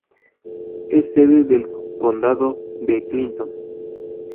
Es sede del condado de Clinton.